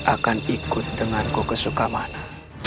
akan ikut dengan kukusuka mana